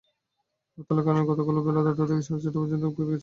হরতালের কারণে গতকালও বেলা দেড়টা থেকে সাড়ে চারটা পর্যন্ত পরীক্ষা ছিল।